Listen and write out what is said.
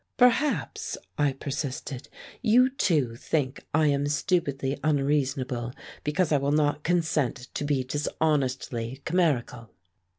"Perhaps," I persisted, "you, too, think I am stupidly unreasonable because I will not consent to be dishonestly chimerical."